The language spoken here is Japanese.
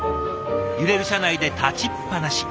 揺れる車内で立ちっぱなし。